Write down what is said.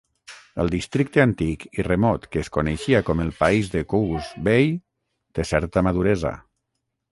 El districte antic i remot que es coneixia com el país de Coos Bay té certa maduresa.